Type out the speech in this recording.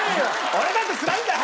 俺だってつらいんだよ！